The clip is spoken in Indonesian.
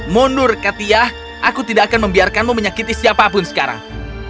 mundur katiyah aku tidak akan membiarkanmu menyakiti siapapun sekarang